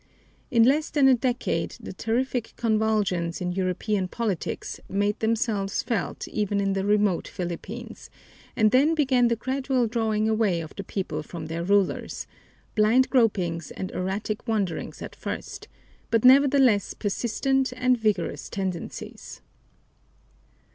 In less than a decade, the terrific convulsions in European politics made themselves felt even in the remote Philippines, and then began the gradual drawing away of the people from their rulers blind gropings and erratic wanderings at first, but nevertheless persistent and vigorous tendencies.